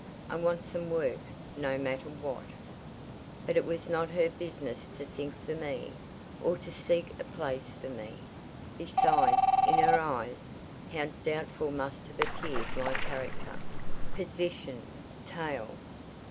I want some work: no matter what." But it was not her business to think for me, or to seek a place for me: besides, in her eyes, how doubtful must have appeared my character, position, tale.